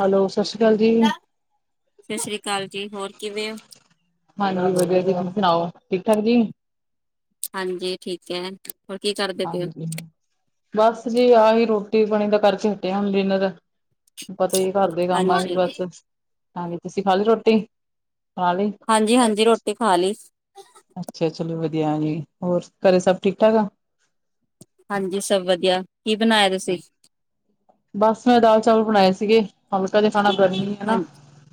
Hello, ਸਤਿ ਸ੍ਰੀ ਅਕਾਲ ਜੀ ਸਤਿ ਸ਼੍ਰੀ ਅਕਾਲ ਜੀ, ਹੋਰ ਕਿਵੇਂ ਹੋ ਹਾਂਜੀ ਵਧੀਆ ਜੀ ਤੁਸੀ ਸੁਣਾਓ, ਠੀਕ -ਠਾਕ ਜੀ ਹਾਂਜੀ ਠੀਕ ਹੈ ਹੋਰ ਕੀ ਕਰਦਾ- ਹਾਂਜੀ, ਬਸ ਜੀ ਆਹੀ ਰੋਟੀ ਪਾਣੀ ਦਾ ਕਰਕੇ ਹਟੇਆ ਹੁਣ ਡਿਨਰ ਪਤਾ ਘਰ ਦੇ ਕੰਮ ਆ ਹੀ ਹਾਂਜੀ ਬਸ, ਹਾਂਜੀ ਤੁਸੀਂ ਖਾ ਲਈ ਰੋਟੀ, ਖਾ ਲਈ ਹਾਂਜੀ- ਹਾਂਜੀ ਰੋਟੀ ਖਾ ਲਈ ਅੱਛਾ ਚਲੋ ਵਧੀਆ ਜੀ, ਹੋਰ ਘਰੇ ਸਭ ਠੀਕ -ਠਾਕ ਆ! ਹਾਂਜੀ ਸਭ ਵਧੀਆ, ਕੀ ਬਣਾਇਆ ਤੁਸੀਂ- ਬਸ ਦਾਲ ਚਾਵਲ ਬਣਾਏ ਸੀਗੇ, ਹਲਕਾ ਤੇ ਖਾਣਾ ਗਰਮੀ ਹਾਂ ਹਨਾ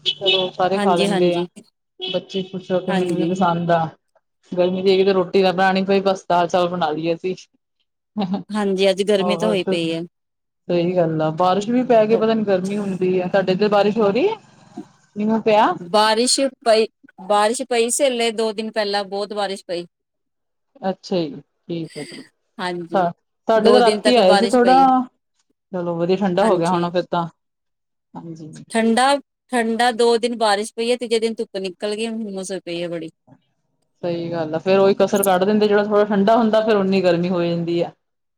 ਚਲੋ ਸਾਰੇ ਖਾ ਹਾਂਜੀ ਲੈਂਦੇ ਆ, ਹਾਂਜੀ ਬੱਚੇ ਖੁਸ਼ ਹੋ ਕੇ ਮੈਨੂੰ ਵੀ ਹਾਂਜੀ ਪਸੰਦ ਆ- ਗਰਮੀ 'ਚ ਤੇ ਰੋਟੀ ਨਾ ਬਣਾਉਣੀ ਪਈ, ਬਸ ਦਾਲ ਚਾਵਲ ਬਣਾ ਲਈਏ ਅਸੀਂ ਹਾਂਜੀ ਅੱਜ ਗਰਮੀ ਤਾਂ ਹੋਈ ਪਈ ਹੈ [unintelligible] ਸਹੀ ਗੱਲ ਆ, ਬਾਰਿਸ਼ ਵੀ ਪੈ ਗਈ ਕੇ, ਹੋ- ਪਤਾ ਨੀ ਗਰਮੀ ਹੁੰਦੀ ਹੈ ਸਾ ਇੱਥੇ ਬਾਰਿਸ਼ ਹੋ ਰਹੀ ਹੈ, ਮੀਂ ਮੂ ਪਿਆ ਬਾਰਿਸ਼ ਪਈ, ਬਾਰਿਸ਼ ਪਈ ਸੀਲੇ ਦੋ ਦਿਨ ਪਹਿਲਾਂ ਬਹੁਤ ਬਾਰਿਸ਼ ਪਈ ਅੱਛਾ ਜੀ, ਠੀਕ ਹੈ ਹਾਂਜੀ ਹਾਂ, ਤੁਹਾਡੇ ਤਾਂ ਦੋ ਦਿਨ ਰਾਤੀ ਤੱਕ ਆਏ ਸੀ ਬਾਰਿਸ਼ ਥੋੜਾ ਪਈ ਚਲੋ ਵਧੀਆ, ਠੰਢਾ ਹੋ ਗਿਆ ਹਾਂਜੀ ਹੋਣਾ ਫਿਰ ਤਾਂ, ਠੰਡਾ- ਠੰਡਾ, ਦੋ ਦਿਨ ਬਾਰਿਸ਼ ਪਈ ਹੈ, ਤੀਜੇ ਦਿਨ ਧੁੱਪ ਨਿਕਲ ਗਈ ਹੁੰਮਸ ਹੋਈ ਪਈ ਹੈ ਬੜੀ ਸਹੀ ਗੱਲ ਆ, ਫੇਰ ਉਹੀ ਕਸਰ ਕੱਢ ਦਿੰਦੇ ਜਿਹੜਾ ਥੋੜਾ ਠੰਢਾ ਹੁੰਦਾ ਫਿਰ ਉਨੀ ਗਰਮੀ ਹੋ ਜਾਂਦੀ ਹੈ-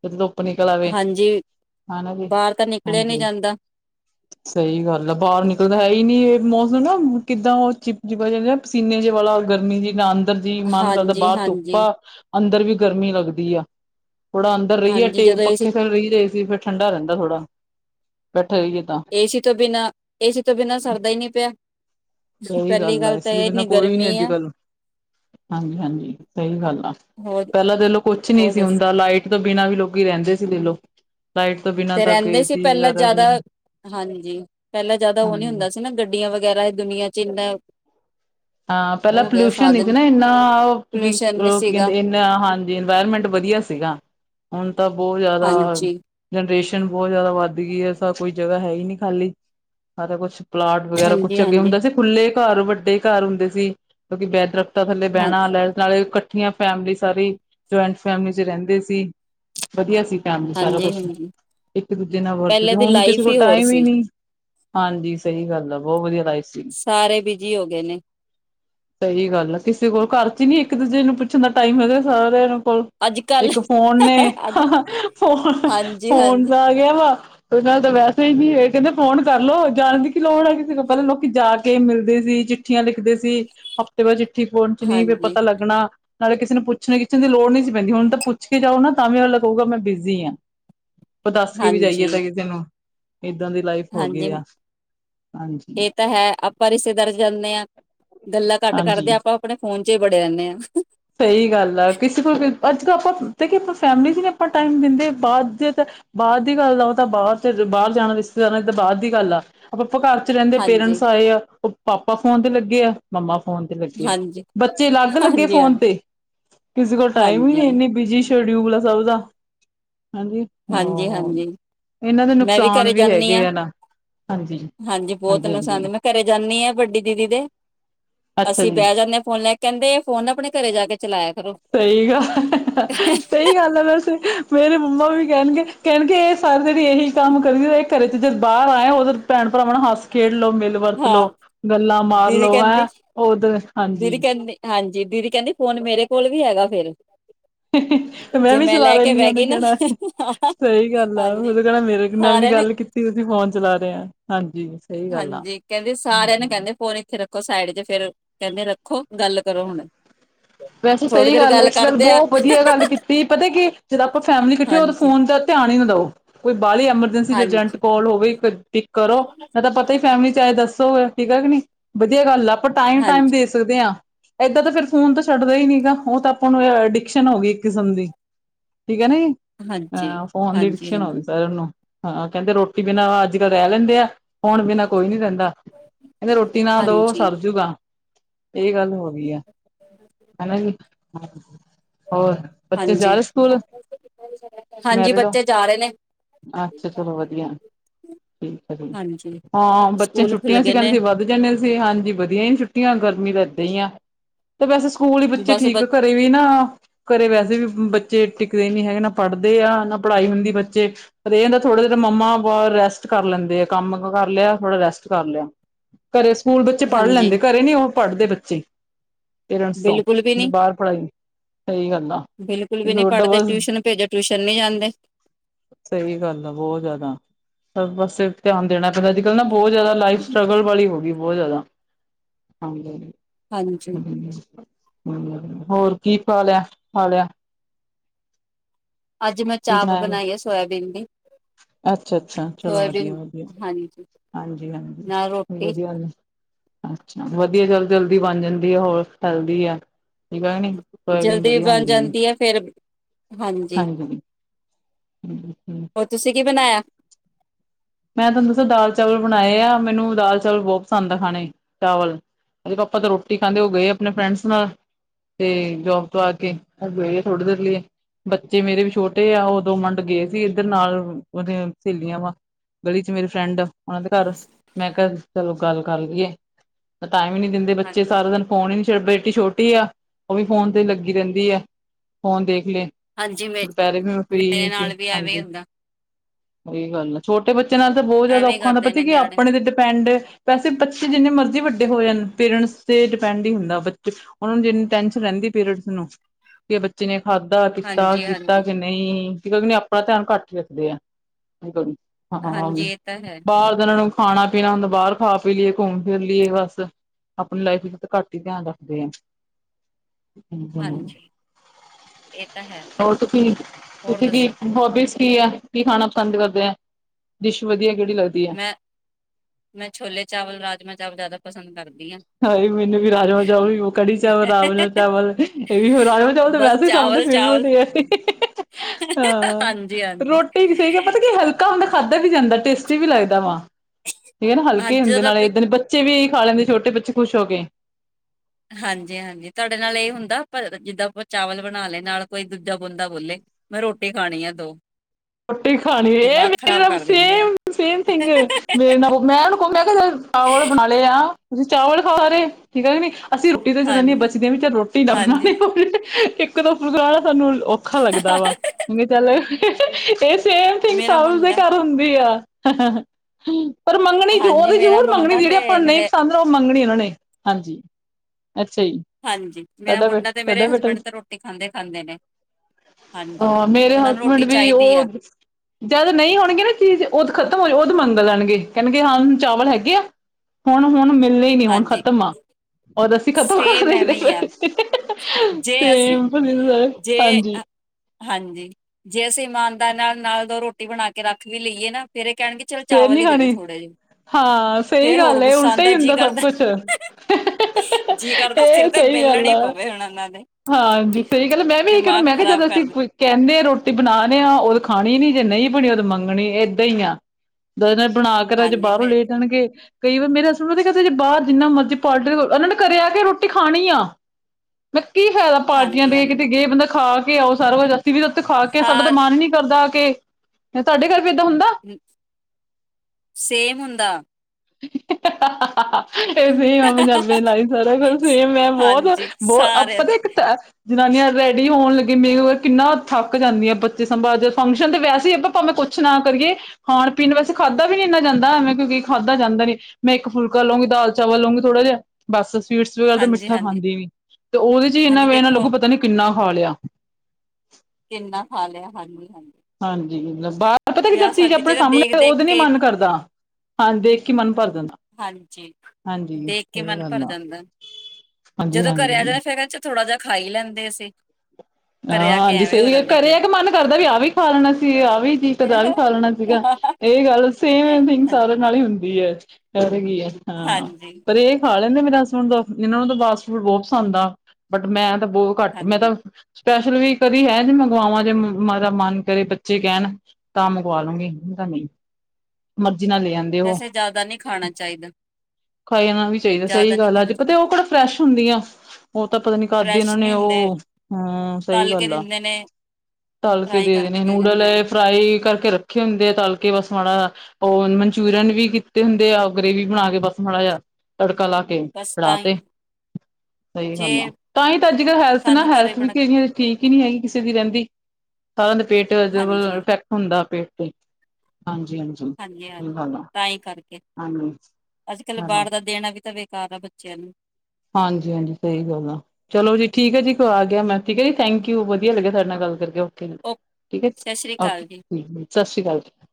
ਇੱਥੇ ਧੁੱਪ ਨਿਕਲ ਆਵੇ, ਹਾਂਜੀ ਹਨਾ ਜੀ ਬਾਹਰ ਤਾਂ ਨਿਕਲਿਆ ਨੀ ਹਾਂਜੀ ਜਾਂਦਾ ਸਹੀ ਗੱਲ ਆ, ਬਾਹਰ ਨਿਕਲਦਾ ਹੈ ਹੀ ਨੀ ਇਹ, ਮੌਸਮ ਨਾ ਕਿੱਦਾਂ, ਉਹ ਚਿਪ ਚਿਪਾ ਚੱਲਹਾ ਪਸੀਨੇ ਜਿਹੇ ਵਾਲਾ, ਗਰਮੀ ਜੀ ਨਾ ਅੰਦਰ ਜੀ ਮਨ ਕਰਦਾ ਹਾਂਜੀ ਬਾਹਰ ਹਾਂਜੀ ਧੁੱਪਾ ਅੰਦਰ ਵੀ ਗਰਮੀ ਲੱਗਦੀ ਆ, ਥੋੜਾ ਅੰਦਰ ਰਹੀਏ ਹਾਂਜੀ ਟੇ ਜਦੋਂ ਏਸੀ ਪੱਖੇ ਥੱਲੇ ਰਹੀਏ ਫਿਰ ਏਸੀ ਠੰਡਾ ਰਹਿੰਦਾ ਥੋੜ੍ਹਾ, ਬੈਠੇ ਰਹੀਏ ਤਾਂ ਏਸੀ ਤੋਂ ਬਿਨਾਂ, ਏਸੀ ਤੋਂ ਬਿਨਾਂ ਸਰਦਾ ਹੀ ਨੀ ਪਿਆ। ਸਹੀ ਪਹਿਲੀ ਗੱਲ ਆ ਤਾਂ ਏਸੀ ਦੇ ਇਹ ਬਿਨਾਂ ਇੰਨੀ ਕੋਈ ਵੀ ਨੀ ਗਰਮੀ ਆ ਅੱਜ-ਕੱਲ ਹਾਂਜੀ-ਹਾਂਜੀ ਸਹੀ ਗੱਲ ਆ, ਹੋਰ ਪਹਿਲਾਂ ਦੇਲੋ ਕੁਛ ਨਹੀਂ ਹੋਰ ਸੀ ਦੱਸ ਹੁੰਦਾ ਲਾਈਟ ਤੋਂ ਬਿਨਾਂ ਵੀ ਲੋਕ ਹੀ ਰਹਿੰਦੇ ਸੀ ਵੇਖ ਲਓ। ਲਾਈਟ ਤੋਂ ਬਿਨਾਂ ਤੇ ਰਹਿੰਦੇ ਸੀ ਪਹਿਲਾਂ ਵੀ ਜਿਆਦਾ, ਹਾਂਜੀ ਪਹਿਲਾਂ ਜਿਆਦਾ ਉਹ ਨਹੀਂ ਹਾਂਜੀ ਹੁੰਦਾ ਸੀ। ਇਹਨਾਂ ਗੱਡੀਆਂ ਵਗੈਰਾ ਦੁਨੀਆਂ ਚ ਇਦਾਂ ਹਾਂ ਪਹਿਲਾਂ ਪਲਿਊਸ਼ਨ ਨਹੀਂ ਸੀ ਸਾਧਨ ਨਾ ਇਨਾ ਕਿਉਕਿ ਪੋਲਿਊਸ਼ਨ ਨਹੀਂ ਸੀਗਾ [unintelligible] ਹਾਂਜੀ ਇਨਵਾਇਰਮੈਂਟ ਵਧੀਆ ਸੀਗਾ, ਹੁਣ ਤਾਂ ਬਹੁਤ ਜਿਆਦਾ ਹਾਂਜੀ ਜਨਰੇਸ਼ਨ ਬਹੁਤ ਜਿਆਦਾ ਵੱਧ ਗਈ ਐ ਐਸਾ ਕੋਈ ਜਗਹਾ ਹੀ ਨਹੀਂ ਖਾਲੀ ਆਹ ਤਾਂ ਕੁਛ ਪਲਾਟ ਵਗੈਰਾ ਕੁਝ ਹਾਂਜੀ ਅੱਗੇ ਹਾਂਜੀ ਹੁੰਦਾ ਸੀ ਖੁੱਲੇ ਘਰ ਵੱਡੇ ਘਰ ਹੁੰਦੇ ਸੀ, ਕਿਉਂਕਿ ਬੈਟਰ ਤਾਂ ਥੱਲੇ ਹਾਂ ਬਹਿਣਾ ਨਾਲੇ ਇਕੱਠੀਆਂ ਫੈਮਿਲੀ ਸਾਰੀ ਜੁਇੰਟ ਫੈਮਲੀ ਚ ਰਹਿੰਦੇ ਸੀ। ਵਧੀਆ ਸੀ ਫੈਮਲੀ ਸਾਰਾ ਹਾਂਜੀ ਕੁਛ, ਹਾਂਜੀ ਇੱਕ ਦੂਜੇ ਨਾਲ ਹੋਰ ਪਹਿਲੇ ਦੀ ਕਿਸੇ ਲਾਈਫ ਕੋਲ ਹੋਰ ਟਾਈਮ ਹੀ ਸੀ ਨੀ ਹਾਂਜੀ ਸਹੀ ਗੱਲ ਐ ਬਹੁਤ ਵਧੀਆ ਰਾਏ ਸੀ। ਸਾਰੇ ਬਿਜ਼ੀ ਹੋ ਗਏ ਨੇ, ਸਹੀ ਗੱਲ ਏ ਕਿਸੇ ਕੋਲ ਘਰ ਚ ਨਹੀਂ ਇੱਕ ਦੂਜੇ ਨੂੰ ਪੁੱਛਣ ਦਾ ਟਾਈਮ ਹੈਗਾ ਸਾਰਿਆਂ ਕੋਲ ਅੱਜ ਕੱਲ ਇੱਕ ਫੋਨ ਨੇ, ਅੱਜ ਹਾਂਜੀ ਫੋਨ-ਫੋਨ ਹਾਂਜੀ ਗਿਆ ਵਾ। ਤੇ ਮੈਂ ਤਾਂ ਵੈਸੇ ਹੀ ਨਹੀਂ ਇਹ ਕਹਿੰਦੇ ਫੋਨ ਕਰ ਲਓ ਜਾਣ ਦੀ ਕੀ ਲੋੜ ਹੀ ਕਿਸੇ ਨੂੰ ਪਹਿਲਾਂ ਲੋਕੀ ਜਾ ਕੇ ਮਿਲਦੇ ਸੀ। ਚਿੱਠੀਆਂ ਲਿਖਦੇ ਸੀ, ਹਫਤੇ ਬਜ ਚਿੱਠੀ ਫੋਨ ਚ ਨਹੀਂ ਫਿਰ ਹਾਂਜੀ ਪਤਾ ਲੱਗਣਾ। ਨਾਲੇ ਕਿਸੇ ਨੂੰ ਪੁੱਛ ਨਾ ਕਿਸੇ ਦੀ ਲੋੜ ਨਹੀਂ ਸੀ ਪੈਂਦੀ ਹੁਣ ਅੰਦਰ ਪੁੱਛ ਕੇ ਜਾਓ ਨਾ ਤਾਂ ਵੀ ਕਹੂਗਾ ਮੈਂ ਬਿਜ਼ੀ ਆਂ। ਦੱਸ ਕੀ ਵੀ ਜਾਈਏ ਹਾਂਜੀ ਸਹੀ ਤੈਨੂੰ ਇਦਾਂ ਦੀ ਲਾਈਫ ਹੋ ਗਈ ਹਾਂਜੀ ਐ, ਹਾਂਜੀ। ਇਹ ਤਾਂ ਹੈ ਆਪਾਂ ਰਿਸ਼ਤੇਦਾਰ ਜਾਨੇ ਆ, ਗੱਲਾਂ ਘੱਟ ਕਰਦੇ ਆ ਹਾਂਜੀ ਆਪਾਂ ਆਪਣੇ ਫੋਨ ਚ ਹੀ ਬੜੇ ਰਹਿਨੇ ਆ। ਸਹੀ ਗੱਲ ਆ ਕਿਸੇ ਕੋਲ ਅੱਜ ਤੋਂ ਆਪਾਂ ਦੇਖੀਏ ਆਪਾਂ ਫੈਮਿਲੀਜ਼ ਨੇ ਆਪਾਂ ਟਾਈਮ ਦਿੰਦੇ ਬਾਅਦ ਚ ਤਾ ਬਾਦ ਦੀ ਗੱਲ ਦਾ ਤਾਂ ਬਾਹਰ ਤੇ ਬਾਹਰ ਜਾਣ ਦੀ ਸੀ ਰਿਸ਼ਤੇਦਾਰ ਦੀ ਗੱਲ ਆ ਆਪਾ ਘਰ ਰਹਿੰਦੇ ਹਾਂਜੀ ਪੇਰੈਂਟਸ ਆਏ ਆ, ਪਾਪਾ ਫੋਨ ਤੇ ਲੱਗੇ ਆ। ਮੰਮਾ ਫੋਨ ਤੇ ਲੱਗੇ, ਹਾਂਜੀ ਬੱਚੇ ਅਲੱਗ ਲੱਗੇ ਹਾਂਜੀ ਹਾਂ ਫੋਨ ਕਿਸੀ ਕੋਲ ਟਾਈਮ ਹੀ ਨਹੀਂ ਹਾਂਜੀ ਇਨੀ ਬਿਜ਼ੀ ਸ਼ੈਡਿਊਲ ਸਭ ਦਾ ਹਾਂਜੀ। ਹਾਂਜੀ ਹਾਂ, ਹਾਂਜੀ ਇਹਨਾਂ ਦਾ ਮੈਂ ਨੁਕਸਾਨ ਘਰੇ ਵੀ ਜਾਂਦੀ ਹੈਗੇ ਹਾਂ ਆ ਨਾ। ਹਾਂਜੀ ਹਾਂਜੀ ਬਹੁਤ ਮਸੰਦ ਮੈਂ ਘਰੇ ਜਾਨੀ ਆ ਵੱਡੀ ਦੀਦੀ ਦੇ, ਅੱਛਾ ਅਸੀਂ ਜੀ ਬਹਿ ਜਾਂਦੇ ਆ ਫੋਨ ਨੇ ਕਹਿੰਦੇ ਫੋਨ ਆਪਣੇ ਘਰੇ ਜਾ ਕੇ, ਚਲਾਇਆ ਕਰੋ ਸਹੀ ਗੱਲ ਸਹੀ ਗੱਲ ਐ ਬੈਸੇ ਸਵੇਰੇ ਮੰਮਾ ਵੀ ਕਹਿਣਗੇ-ਕਹਿਣਗੇ ਇਹ ਸਾਰੀ ਜਿਹੜੀ ਇਹੀ ਕੰਮ ਕਰਦੀ ਘਰੇ ਚ ਬਾਹਰ ਆਇਆ ਉਧਰ ਭੈਣ ਭਰਾਵਾਂ ਨਾਲ ਹੱਸ ਖੇਡ ਲਓ ਮਿਲ ਵਰਤ ਹਾਂ ਲਓ, ਗੱਲਾਂ ਮਾਰ ਦੀਦੀ ਲਓ ਕਹਿੰਦੀ ਉਹ ਤੇਰੇ ਦੀਦੀ ਹਾਂਜੀ। ਕਹਿੰਦੀ ਹਾਂਜੀ ਦੀਦੀ ਕਹਿੰਦੀ ਫੋਨ ਮੇਰੇ ਕੋਲ ਵੀ ਹੈਗਾ ਫੇਰ ਮੈਂ ਜੇ ਵੀ ਚਲਾ ਲੈ ਕੇ ਲੈਂਨੀ ਆ ਬਹਿ ਉਹਨੇ ਗਈ ਨਾ ਕਹਿਣਾ ਸਹੀ ਗੱਲ ਆ ਹਾਂਜੀ ਉਹ ਕਹਿਣਾ ਮੇਰੇ [unintelligible] ਸਾਰਿਆਂ ਨੇ ਗੱਲ ਕੀਤੀ ਸੀ ਫੋਨ ਚਲਾ ਰਿਹਾ ਹਾਂਜੀ ਸਹੀ ਗੱਲ ਐ। ਹਾਂਜੀ ਕਹਿੰਦੇ ਸਾਰਿਆਂ ਨੇ ਕਹਿੰਦੇ ਫੋਨ ਇਥੇ ਰੱਖੋ ਸਾਈਡ ਚ ਫਿਰ ਕਹਿੰਦੇ ਰੱਖੋ ਗੱਲ ਕਰੋ ਹੁਣ ਵੈਸੇ ਥੋੜੀ ਸਹੀ ਦੇਰ ਗੱਲ ਇੱਕ ਗੱਲ ਕਰਦੇ ਆ ਬਹੁਤ ਵਧੀਆ ਗੱਲ ਕੀਤੀ ਪਤਾ ਕੀ ਜਦੋਂ ਆਪਾਂ ਫੈਮਿਲੀ ਇਕੱਠੇ ਹੋ ਤਾਂ ਹਾਂਜੀ ਫੋਨ ਤਾ ਧਿਆਨ ਹੀ ਨਾ ਦੋ ਕੋਈ ਬਾਲੀ ਐਮਰਜਂਸੀ ਜੋ ਜੈਂਟ ਹਾਂਜੀ ਕਾਲ ਹੋ ਗਈ ਫਿਰ ਟਿੱਕ ਕਰੋ ਮੈਂ ਤਾਂ ਪਤਾ ਹਾਂਜੀ ਹੀ ਫੈਮਲੀ ਚਾਹੇ ਦੱਸੋ, ਠੀਕ ਐ ਕਿ ਨੀ, ਵਧੀਆ ਗੱਲ ਲੱਭ ਟਾਈਮ ਹਾਂਜੀ ਦੇ ਸਕਦੇ ਆਂ ਇਦਾਂ ਤਾਂ ਫਿਰ ਫੁਨ ਛੱਡਦਾ ਹੀ ਨਹੀਂ ਗਾ। ਉਹ ਤਾਂ ਆਪਾਂ ਨੂੰ ਐਡਿਕਸ਼ਨ ਹੋ ਗਈ, ਇੱਕ ਕਿਸਮ ਦੀ ਠੀਕ ਹ ਨਾ ਜੀ। ਹਾਂਜੀ ਫੋਨ ਦੀ ਐਡਿਕਸਨ ਹੋਗੀ ਹਾਂਜੀ ਸਰ ਇਹਨੂੰ, ਕਹਿੰਦੇ ਰੋਟੀ ਬਿਨਾਂ ਅੱਜ ਰਹਿ ਲੈਂਦੇ ਆ। ਫੋਨ ਬੀਨਾ ਕੋਈ ਨਹੀਂ ਰਹਿੰਦਾ, ਕਹਿੰਦੇ ਰੋਟੀ ਨਾ ਦੋ ਹਾਂਜੀ ਸਰ ਜੂਗਾ। ਇਹ ਗੱਲ ਹੋ ਗਈ ਆ। ਹ ਹਨਾ ਜੀ, ਹੋਰ ਬੱਚੇ ਹਾਂਜੀ ਜ਼ਿਆਰੇ ਸਕੂਲ। ਹਾਂਜੀ ਮੈਰਿਡ ਹੋ ਬੱਚੇ ਜਾ ਰਹੇ ਨੇ। ਅੱਛਾ ਚਲੋ ਵਧੀਆ। ਠੀਕ ਹੈ ਜੀ ਹਾਂਜੀ ਹਾਂ ਬੱਚੇ ਸਕੂਲ ਖੁੱਲ ਛੁੱਟੀਆਂ ਸੀ ਗਏ ਨੇ ਕਹਿੰਦੇ ਵੱਧ। ਵੱਧ ਜਾਣੀਆਂ ਸੀ ਹਾਂਜੀ ਵਧੀਆ ਨਹੀਂ ਛੁੱਟੀਆਂ ਗਰਮੀ ਤਾਂ ਏਦਾਂ ਹੀ ਆ। ਤੇ ਵੈਸੇ ਸਕੂਲ ਹੀ ਬੱਚੇ ਬਸ ਬ ਠੀਕ ਘਰੇ ਵੀ ਨਾ। ਘਰੇ ਵੈਸੇ ਵੀ ਬੱਚੇ ਟਿਕਦੇ ਨੀ ਹੈਗੇ, ਨਾ ਪੜ੍ਹਦੇ ਆ, ਨਾ ਪੜ੍ਹਾਈ ਹੁੰਦੀ ਬੱਚੇ। ਰਹਿ ਜਾਂਦਾ ਜਦੋਂ ਥੋੜਾ ਮੰਮਾ ਰੈਸਟ ਕਰ ਲੈਂਦੇ ਆ। ਕੰਮ ਕਰ ਲਿਆ ਥੋੜਾ ਰੈਸਟ ਕਰ ਲਿਆ। ਘਰੇ ਸਕੂਲ ਬੱਚੇ ਪੜ੍ਹ ਹਾਂਜੀ ਲੈਂਦੇ ਘਰੇ ਨੀ ਉਹ ਪੜ੍ਹਦੇ ਬੱਚੇ। ਪੇਰੈਂਟਸ ਤੋਂ ਬਿਲਕੁਲ ਵੀ ਨੀ, ਬਾਹਰ ਪੜ੍ਹਾਈ ਸਹੀ ਗੱਲ ਆ ਬਿਲਕੁਲ ਵੀ ਨੀ ਪੜ੍ਹਦੇ ਡਬਲ ਟਿਊਸ਼ਨ ਭੇਜਾਂ। ਟਿਊਸ਼ਨ ਨਹੀਂ ਜਾਂਦੇ। ਸਹੀ ਗੱਲ ਆ ਬਹੁਤ ਜਿਆਦਾ, ਹਰ ਪਾਸੇ ਧਿਆਨ ਦੇਣਾ। ਪਰ ਅੱਜ ਕੱਲ੍ਹ ਨਾ ਬਹੁਤ ਜਿਆਦਾ ਲਾਈਫ ਸਟਰਗਲ ਵਾਲੀ ਹੋ ਗਈ ਬਹੁਤ ਜਿਆਦਾ ਹਾਂਜੀ। ਹਾਂਜੀ। ਹੂੰ ਹੋਰ ਕੀ ਪਾ ਲਿਆ, ਖਾ ਲਿਆ। ਅੱਜ ਮੈਂ ਕੀ ਚਾਪ ਬਣਾਇਆ ਬਣਾਈ ਆ ਸੋਇਆਬੀਨ ਦੀ। ਅੱਛਾ ਅੱਛਾ ਚਲੋ ਸੋਇਆਬੀਨ ਵਧੀਆ ਵਧੀਆ ਹਾਂਜੀ ਹਾਂਜੀ ਨਾਲ ਹਾਂਜੀ ਰੋਟੀ ਵਧੀਆ। ਅੱਛਾ ਵਧੀਆ ਚਲ ਜਲਦੀ ਬਣ ਜਾਂਦੀ ਆ। ਹੋਰ ਹੈਲਦੀ ਆ। ਠੀਕ ਹੈ ਕਿ ਨਹੀਂ ਸੋਇਆਬੀਨ ਜਲਦੀ ਵਧੀਆ ਬਣ ਹੁੰਦੀ ਹੈ ਜਾਂਦੀ ਫੇਰ ਹਾਂਜੀ। ਹੂੰ ਹੂੰ। ਹੋਰ ਤੁਸੀਂ ਕੀ ਬਣਾਇਆ। ਮੈਂ ਤੁਹਾਨੂੰ ਦੱਸੋ ਦਾਲ ਚਾਵਲ ਬਣਾਏ ਆ। ਮੈਨੂੰ ਦਾਲ ਚਾਵਲ ਬਹੁਤ ਪਸੰਦ ਆ ਖਾਣੇ ਚਾਵਲ। ਇਹਦੇ ਪਾਪਾ ਤਾਂ ਰੋਟੀ ਖਾਂਦੇ। ਉਹ ਗਏ ਆਂ ਆਪਣੇ ਫਰੈਂਡਸ ਨਾਲ। ਤੇ ਜੋਬ ਤੋਂ ਆ ਕੇ ਉਹ ਗਈ ਆਂ ਥੋੜੀ ਦੇਰ ਲਈਏ। ਬੱਚੇ ਮੇਰੇ ਵੀ ਛੋਟੇ ਆ ਉਦੋਂ ਮੁਡ ਗਏ ਸੀ, ਇੱਧਰ ਨਾਲ ਉਹਦੀਆਂ ਸਹੇਲੀਆਂ ਵਾ। ਗਲੀ 'ਚ ਮੇਰੀ ਫਰੈਂਡ ਉਹਨਾਂ ਦੇ ਘਰ, ਮੈਂ ਕਿਹਾ ਚਲੋ ਗੱਲ ਕਰ ਲਈਏ। ਤਾਂ ਟਾਈਮ ਹੀ ਨਹੀਂ ਦਿੰਦੇ ਬੱਚੇ ਹਾਂਜੀ ਸਾਰਾ ਦਿਨ। ਫੋਨ ਹੀ ਨੀ, ਬੇਟੀ ਛੋਟੀ ਆ ਉਹ ਵੀ ਫੋਨ ਤੇ ਲੱਗੀ ਰਹਿੰਦੀ ਹੈ, ਫੋਨ ਦੇਖ ਲਏ। ਹਾਂਜੀ ਮੇ ਦੁਪਹਿਰੇ ਵੀ ਮੈਂ ਫ੍ਰਰੀ ਮੇਰੇ ਨਹੀਂ ਸੀ ਨਾਲ ਵੀ ਐਵੇਂ ਹੀ ਹਾਂਜੀ। ਹੁੰਦਾ ਸਹੀ ਗੱਲ ਹੈ ਛੋਟੇ ਬੱਚੇ ਨਾਲ ਤਾਂ ਬਹੁਤ ਜ਼ਿਆਦਾ ਐਵੇਂ ਔਖਾ ਹੁੰਦਾ, ਕਰਦੇ ਪਤਾ ਨੇ ਕਿ ਨਿਆਣੇ ਆਪਣੇ ਤੇ ਡਿਪੈਂਡ। ਵੈਸੇ ਬੱਚੇ ਜਿੰਨੇ ਮਰਜ਼ੀ ਵੱਡੇ ਹੋਏ ਹਨ, ਪੇਰੈਂਟਸ ਤੇ ਡਿਪੈਂਡ ਹੀ ਹੁੰਦਾ ਬੱਚੇ। ਉਹਨਾਂ ਨੂੰ ਜਿੰਨੀ ਟੈਨਸ਼ਨ ਰਹਿੰਦੀ ਪੇਰੈਂਟਸ ਨੂੰ, ਕਿ ਬੱਚੇ ਨੇ ਖਾਧਾ ਪੀਤਾ ਹਾਂਜੀ ਕੀਤਾ ਹਾਂਜੀ ਕਿ। ਨਹੀਂ ਕੀ ਏਵਨ ਕੇ ਆਪਣਾ ਧਿਆਨ ਘੱਟ ਦਿੰਦੇ ਆ ਕਦੀਂ। ਹਾਂ ਹਾਂਜੀ ਇਹ ਤਾਂ ਹੈ ਬਾਹਰ ਦਾ ਇਹਨਾਂ ਨੂੰ ਖਾਣਾ ਪੀਣਾ ਹੁੰਦਾ ਬਾਹਰ ਖਾ ਪੀ ਲਈਏ, ਘੁੰਮ ਫਿਰ ਲਈਏ ਬਸ। ਆਪਣੀ ਲਾਈਫ ਵਿੱਚ ਤਾਂ ਘੱਟ ਹੀ ਧਿਆਨ ਰੱਖਦੇ ਆ। ਹੂੰ। ਹਾਂਜੀ ਇਹ ਤਾਂ ਹੈ ਹੋਰ ਤੁਸੀਂ ਹੋਰ ਤੁਸੀਂ ਕੀ ਦੱਸੋ ਹੋਬੀਜ਼ ਕੀ ਹੈ, ਕੀ ਖਾਣਾ ਪਸੰਦ ਕਰਦੇ ਆ। ਡਿਸ਼ ਵਧੀਆ ਕਿਹੜੀ ਲੱਗਦੀ ਹੈ। ਮੈਂ ਮੈਂ ਛੋਲੇ ਚਾਵਲ, ਰਾਜਮਾਂਹ ਚਾਵਲ ਜ਼ਿਆਦਾ ਪਸੰਦ ਕਰਦੀ ਹਾਂ। ਹਾਏ ਇਹ ਮੈਨੂੰ ਵੀ ਰਾਜਮਾਂਹ ਚਾਵਲ, ਕੜੀ ਚਾਵਲ। ਰਾਜਮਾਂਹ ਚਾਵਲ ਇਹ ਵੀ ਰਾਜਮਾਂਹ ਚਾਵਲ ਤਾਂ ਬਸ ਵੈਸੇ। ਸਭ ਦੇ ਚਾਵਲ ਚਾਵਲ ਫੇਵਟਰੇਟ ਇਹ ਆ, ਹਾਂਜੀ ਹਾਂਜੀ ਰੋਟੀ ਵੀ ਸਹੀ ਹੈ ਪਤਾ ਕੀ ਹੈ। ਪੱਕਾ ਹੁੰਦਾ ਖਾਧਾ ਵੀ ਜਾਂਦਾ ਟੇਸਟੀ ਵੀ ਲੱਗਦਾ ਵਾ ਇਹ ਤਾਂ ਹਲਕੇ ਹਾਂਜੀ ਹੁੰਦੇ ਜਦੋਂ ਨਾਲੇ। ਆਪੇ ਬੱਚੇ ਵੀ ਖਾ ਲੈਂਦੇ ਛੋਟੇ ਬੱਚੇ ਖੁਸ਼ ਹੋ ਕੇ। ਹਾਂਜੀ ਹਾਂਜੀ ਤੁਹਾਡੇ ਨਾਲ ਇਹ ਹੁੰਦਾ ਜਿੱਦਾਂ ਆਪਾਂ ਚਾਵਲ ਬਣਾ ਲਏ ਨਾਲ ਕੋਈ ਦੂਜਾ ਬੰਦਾ ਬੋਲੇ। ਮੈਂ ਰੋਟੀ ਖਾਣੀ ਆ ਦੋ। ਰੋਟੀ ਖਾਣੀ ਇਹ ਦਿਮਾਗ ਮੇਰੇ ਖ਼ਰਾਬ ਵਾਲਾ ਕਰ ਦਿੰਦੇ ਆ। Same same thing. ਮੇਰੇ ਨਾਲ ਮੈਂ ਇਹਨੂੰ ਕਹੂੰ ਮੈਂ ਕਿਹਾ ਚਾਵਲ ਬਣਾ ਲਏ ਆ ਤੁਸੀਂ ਚਾਵਲ ਖਾ ਰਹੇ ਠੀਕ ਹੈ ਕੇ ਨੀ। ਅਸੀਂ ਰੋਟੀ ਤੇ ਜ਼ਨਾਨੀਆਂ ਹਾਂਜੀ, ਬੱਚਦੀਆਂ ਵਿ ਕਿ ਰੋਟੀ ਨਾ ਹਾਂਜੀ ਬਣਾਉਣੀ ਪਵੇ ਇੱਕ ਦੋ ਪਕਾ ਲਾ ਸਾਨੂੰ। ਔਖਾ ਲੱਗਦਾ ਵਾ ਕਿਉਂਕਿ ਚੱਲ ਇਹ ਸੇਮ ਥਿੰਗ ਮੇਰਾ ਸਭ ਦੇ ਮੁੰਡਾ ਘਰ। ਹੁੰਦੀ ਆ। ਪਰ ਮੰਗਣੀ ਹਾਂਜੀ ਉਹਦੀ ਮੇਰਾ ਜ਼ਰੂਰ ਮੰਗਣੀ ਮੁੰਡਾ ਜਿਹੜੀ ਤੇ ਆਪਾਂ ਨੂੰ ਨਹੀਂ ਮੇਰੇ ਪਸੰਦ ਉਹ ਮੰਗਣੀ ਉਹਨਾਂ ਨੇ ਹਾਂਜੀ। ਅੱਛਾ ਜੀ। ਹਾਂਜੀ ਮੇਰਾ ਤੁਹਾਡਾ ਬੇ ਮੁੰਡਾ ਤੇ ਮੇਰੇ ਤੁਹਾਡਾ ਹਸਬੈਂਡ ਤਾਂ ਰੋਟੀ ਖਾਂਦੇ ਖਾਂਦੇ ਨੇ। ਹਾਂਜੀ। ਹਾਂ, ਮੇਰੇ ਉਹਨਾਂ ਨੂੰ ਹਸਬੈਂਡ ਰੋਟੀ ਵੀ ਚਾਹੀਦੀ ਉਹ ਆ ਜਦ ਨਹੀਂ ਹੋਣਗੇ ਨਾ ਚੀਜ਼, ਉਦ ਖ਼ਤਮ ਹੋ ਜੂ, ਉਦਔ ਮੰਗ ਲੈਣਗੇ, ਕਹਣਗੇ ਹਾਂ, ਹੁਣ ਚਾਵਲ ਹੈਗੇ ਆ? ਹੁਣ ਹੁਣ, ਮਿਲਨੇ ਨੀ ਹੁਣ ਹਾਂਜੀ ਖ਼ਤਮ ਆ। ਔਰ ਅਸੀਂ ਖਤਮ ਕਰ ਸੇਮ ਦਈ ਐਵੇਂ ਹੀ ਆ ਦਿਆ, ਜੇ ਅਸੀਂ ਸੇਮ ਹਾਂ, ਜੀ। ਹਾਂ, ਜੀ ਜੇ ਅਸੀਂ ਇਮਾਨਦਾਰੀ ਨਾਲ ਨਾਲ ਦੋ ਰੋਟੀ ਬਣਾ ਕੇ ਰੱਖ ਵੀ ਲਈਏ ਨਾ ਫੇਰ ਇਹ ਕਹਿਣਗੇ ਚਲ ਫੇਰ ਚਾਵਲ ਨੀ ਹੀ ਦੇ ਦੇਦੇ ਖਾਣੀ ਥੋੜੇ ਜਹੇ, ਹਾਂ ਸਹੀ ਫੇਰ ਹੋਰ ਗੱਲ ਗੁੱਸਾ ਉਲਟਾ ਆਉਂਦਾ ਹੀ ਜੀ ਹੁੰਦਾ ਸਭ ਕੁਛ ਜੀ ਕਰਦਾ, ਸਿਰ ਤੇ ਵੇਲਣ ਹੀ ਪਵੇ ਹੁਣ ਉਹਨਾਂ ਦੇ ਹਾਂ, ਜੀ ਸਹੀ ਗੱਲ ਮੈਂ ਵੀ ਇਹੀ ਕਰਹੂੰ ਦਿਮਾਗ ਮੈਂ ਕਿਹਾ ਖ਼ਰਾਬ ਜਦ ਕਰ ਅਸੀਂ ਦਿੰ ਕਹਿੰਦੇ ਰੋਟੀ ਬਣਾ ਰਹੇ ਆ, ਉਦੋ ਖਾਣੀ ਨਹੀਂ ਜੇ ਨਹੀਂ ਬਣੀ, ਉਦੋਂ ਮੰਗਣੀ, ਇਦਾਂ ਹੀ ਆ। ਜੈ ਉਹਣਦੀ ਬਣਾ ਕੇ, ਜਦੋ ਹਾਂਜੀ ਬਾਹਰੋਂ ਮੈਂ ਲੇਟ ਆਣਗੇ ਕਈ ਵਾਰ ਮੇਰੇ ਹਸਬੈਂਡ, ਉਹ ਕਹਿੰਦੇ ਜੇ ਬਾਹਰ ਜਿੰਨਾ ਮਰਜ਼ੀ, ਪਾਰਟੀ, ਉਹਨਾਂ ਨੇ ਘਰੇ ਆ ਕੇ ਰੋਟੀ ਖਾਣੀ ਆ। ਮੈਂ ਕੀ ਫਾਇਦਾ ਪਾਰਟੀਆਂ ਹਾਂਜੀ ਤੇ, ਜੇ ਹਾਂਜੀ ਕਿਤੇ ਗਏ ਬੰਦਾ ਖਾ ਕੇ ਆਓ ਸਾਰਾ ਕੁਛ, ਦੱਸ? ਅਸੀਂ ਤਾਂ ਵੀ ਉਥੋਂ ਖਾ ਕੇ ਸਾਡਾ ਤਾਂ ਸਾਰ ਮਨ ਨੀ ਕਰਦਾ, ਕੇ ਤੁਹਾਡੇ ਘਰ ਵੀ ਏਦਾਂ ਹੁੰਦਾ? ਸੇਮ ਹੁੰਦਾ। [unintelligible] ਇਹ ਸੇਮ ਆ ਪੰਜਾਬੀਆਂ ਦੀ ਲਾਈਫ, ਸਾਰਾ ਕੁਝ ਸੇਮ ਐ, ਮੈਂ ਬਹੁਤ, ਹਾਂਜੀ ਸਾਰਿਆਂ ਪਤਾ ਦੀ ਇੱਕ ਜਨਾਨੀਆਂ ਰੈਡੀ ਹੋਣ ਲੱਗੀਆ ਮੇਕਆਪ, ਕਿੰਨਾ ਥੱਕ ਜਾਂਦੀਆਂ ਬੱਚੇ ਸੰਭਾਲਦੀਆ, ਫੰਕਸ਼ਨ ਤੇ ਵੈਸੇ ਹੀ ਆਪਾਂ ਭਾਵੇਂ ਕੁਛ ਕੁਛ ਨਾ ਕਰੀਏ, ਖਾਣ ਪੀਣ ਵੈਸੇ ਖਾਧਾ ਵੀ ਨੀ ਇਨਾ ਜਾਂਦਾ, ਐਵੇਂ ਕਿਉਂ ਕਹੀਏ ਖਾਧਾ ਜਾਂਦਾ ਨੀ, ਮੈਂ ਇੱਕ ਫੁਲਕਾ ਲਊਂਗੀ, ਦਾਲਨਚਾਵਲ ਲਊਂਗੀ ਥੋੜ੍ਹਾ ਜਿਹਾ ਬਸ, ਸਵੀਟਸ ਵਗੈਰਾ ਤਾਂ ਹਾਂਜੀ ਮਿੱਠਾ ਹਾਂਜੀ ਖਾਂਦੀ ਨੀ, ਤੇ ਉਹਦੇ ਚ ਹੀ ਹਾਂਜੀ ਇਹਨਾਂ ਲਗੂ ਦੇਖੋ ਪਤਾ ਨੀ ਕਿੰਨਾ ਖਾ ਲਿਆ। ਕਿੰਨਾ ਖਾ ਲਿਆ, ਹਾਂ, ਜੀ। ਹਾਂਜੀ ਬਾਹਰ ਪਤਾ ਕਿ, ਜਦ ਚੀਜ਼ ਚ ਆਪਣੇ ਤਾਂ ਦੇਖ ਸਾਮਣੇ ਦੇਖ ਉਦੋ ਨੀ ਕੇ ਮਨ ਕਰਦਾ। ਹਾਂ ਦੇਖ ਕੇ ਮਨ ਭਰ ਜਾਂਦਾ। ਹਾਂਜੀ, ਹਾਂਜੀ ਦੇਖ ਕੇ ਸਹੀ ਮਨ ਗੱਲ ਭਰ ਆ ਜਾਂਦਾ ਹਾਂਜੀ ਜਦੋਂ ਘਰੇ ਆ ਹਾਂਜੀ ਜਾਣਾ ਫਿਰ ਥੋੜਾ ਜਿਆ ਖਾਈ ਲੈਂਦੇ ਅਸੀਂ। ਹਾਂ ਹਾਂਜੀ, ਸਹੀ ਘਰੇ ਆ ਕੇ ਮਨ ਕਰਦਾ ਵੀ, ਆਹ ਵੀ ਖਾ ਲੈਣਾ ਸੀ, ਆਹ ਵੀ ਜੀ ਕਦੇ ਆਹ ਵੀ ਖਾ ਲੈਣਾ ਸੀਗਾ। ਇਹ ਗੱਲ ਸੇਮ ਥਿੰਗ ਸਾਰਿਆਂ ਨਾਲ ਹੀ ਹੁੰਦੀ ਹੈਗੀ ਐ ਹਾਂ, ਹਾਂਜੀ ਪਰ ਇਹ ਖਾ ਲੈਂਦੇ ਮੇਰੇ ਹਸਬੈਂਡ ਤਾ, ਇਹਨਾਂ ਨੂੰ ਤਾਂ ਫਾਸਟ ਫੂਡ ਬੋਅਤ ਪਸੰਦ ਆ ਬਟ ਮੈਂ ਤਾਂ ਬੋਅਤ ਘੱਟ ਮੈਂ ਤਾਂ ਹਾਂਜੀ ਸਪੈਸ਼ਲ ਵੀ ਕਦੀ ਐ ਨੀ, ਜੇ ਮੰਗਵਾਵਾਂ ਜੇ ਮਰਾ ਮਨ ਕਰੇ ਬੱਚੇ ਕਹਿਣ ਤਾਂ ਮੰਗਵਾ ਲਉਗੀ ਤਾਂ ਨਈ ਮਰਜੀ ਨਾਲ ਲੈ ਆਦੇ। ਵੈਸੇ ਜ਼ਿਆਦਾ ਨਈ ਖਾਣਾ ਚਾਈਦਾ। ਖਾਇਨਾ ਵੀ ਚਾਹੀਦਾ। ਸਹੀ ਗੱਲ ਆ ਖਾਣਾ ਅੱਜ ਪਤਾ, ਉਹ ਚਾਹੀਦਾ ਕੇੜਾ ਫਰੈਸ਼ ਹੁੰਦੀਆ। ਓ ਤਾਂ ਪਤਾ ਨੀ ਕਦ ਦੇ ਫਰੈਸ਼ ਏਨਾਂ ਨੇ ਨਹੀਂ ਹੁੰਦੇ ਉਹ ਹੂੰ ਸਈ ਤਲ ਕੇ ਗੱਲ ਆ, ਦਿੰਦੇ ਨੇ ਤਲ ਕੇ ਫਰਾਈ ਦੇ ਕਰਕੇ ਦੇਨੀ ਨੂਡਲ ਦਿੰਦੇ ਨੇ ਐ ਫਰਾਈ ਕਰਕੇ ਰੱਖੇ ਹੁੰਦੇ ਤਲਕੇ ਬਸ ਮਾੜਾ ਜਾ ਓਨ ਮਨਚੂਰਨ ਵੀ ਕੀਤੇ ਹੁੰਦੇ ਆ ਗਰੇਵੀ ਬਣਾ ਕੇ ਬਸ ਮਾੜਾ ਜਾ ਤੜਕਾ ਲਾ ਕੇ ਬਸ ਫੜਾ ਤਾਂ ਹੀ ਤੇ ਸਈ ਗੱਲ ਆ ਜੇ ਤਾਂ ਈ ਤਾਂ ਜਿਦੇ ਹੈਲਥ ਨਾ ਸਾਨੂੰ ਘਰੇ ਹੈਲਥ ਵੇ ਬਣਾ ਕਈਆ ਕੇ ਦੇ ਠੀਕ ਈ ਨੀ ਹੈਗੀ ਕਿਸੇ ਦੀ ਰੈਂਦੀ ਸਾਰੇਆ ਦੇ ਪੇਟ ਅ [unintelligible] ਹਾਂਜੀ ਇਫੈਕਟ ਹੁੰਦਾ ਪੇਟ ਤੇ ਹਾਂਜੀ-ਹਾਂਜੀ। ਹਾਂਜੀ-ਹਾਂਜੀ ਤਾਂ ਈ ਕਰਕੇ। ਹਾਂਜੀ। ਆੱਜ-ਕੱਲ ਬਾਰ ਦਾ ਦੇਨਾ ਵੀ ਤਾਂ ਬੇਕਾਰ ਆ ਬੱਚਿਆਂ ਨੂੰ। ਹਾਂਜੀ-ਹਾਂਜੀ ਸਈ ਗੱਲ ਆ ਚਲੋ ਜੀ ਠੀਕ ਐ ਜੀ ਵਦੀਆ ਮੈਂ ਠੀਕ ਏ ਜੀ ਥੈਂਕ ਯੂ ਵਦੀਆ ਲੱਗਿਆ ਤੁਆਡੇ ਨਾਲ ਗੱਲ ਕਰਕੇ ਓਕੇ ਓ ਠੀਕ ਐ ਸਤਿ ਸ੍ਰੀ ਜੀ ਅਕਾਲ ਜੀ ਓਕੇ। ਸਾਸੀਕਾਲ ਜੀ।